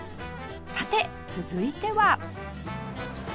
さて続いては？